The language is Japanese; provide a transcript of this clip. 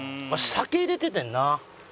酒入れててんな。